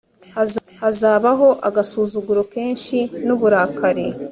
hazabaho agasuzuguro kenshi n uburakari